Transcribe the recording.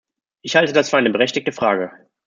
Ich halte das für eine berechtigte Frage.